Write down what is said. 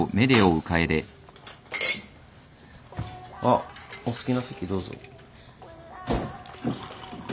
あっお好きな席どうぞ。